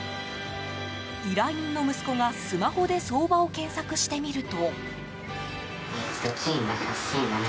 依頼人の息子が、スマホで相場を検索してみると。